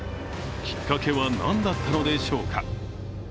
きっかけは何だったのでしょうか。